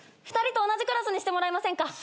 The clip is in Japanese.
２人と同じクラスにしてもらえませんか？